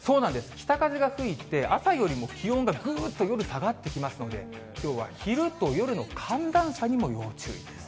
北風が吹いて、朝よりも気温がぐーっと夜、下がってきますので、きょうは昼と夜の寒暖差にも要注意です。